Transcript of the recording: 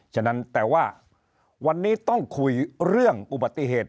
ฉะนั้นแต่ว่าวันนี้ต้องคุยเรื่องอุบัติเหตุ